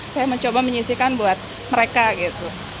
saya mencoba menyisikan buat mereka gitu